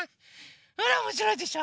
ほらおもしろいでしょ？